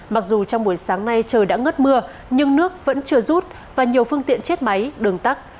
mặc dù trong buổi sáng nay trời đã ngất mưa nhưng nước vẫn chưa rút và nhiều phương tiện chết máy đường tắt